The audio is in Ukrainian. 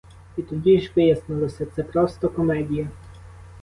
І тоді ж вияснилося: це просто комедія!